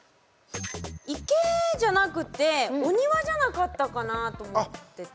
「いけ」じゃなくて「おにわ」じゃなかったかなと思ってて。